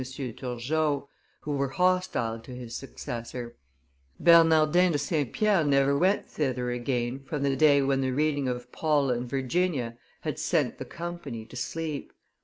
Turgot, who were hostile to his successor; Bernardin de St. Pierre never went thither again from the day when the reading of Paul and Virginia had sent the company to sleep.